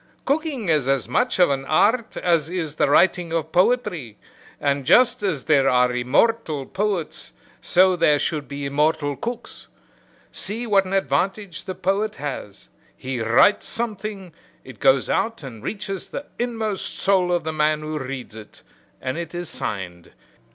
Cooking is as much of an art as is the writing of poetry, and just as there are immortal poets so there should be immortal cooks. See what an advantage the poet has he writes something, it goes out and reaches the inmost soul of the man who reads it, and it is signed.